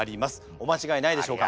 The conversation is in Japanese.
お間違えないでしょうか？